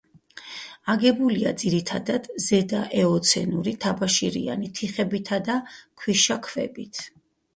აგებულია ძირითადად ზედაეოცენური თაბაშირიანი თიხებითა და ქვიშაქვებით.